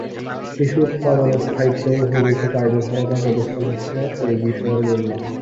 কৃষি উৎপাদনে স্থায়িত্ব ও উপযুক্ত কার্য ক্ষমতা প্রদর্শন হচ্ছে এই বিষয়ের মূল লক্ষ্য।